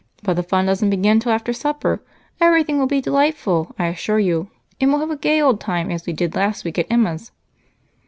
"But the fun doesn't begin till after supper. Everything will be delightful, I assure you, and we'll have a gay old time as we did last week at Emma's."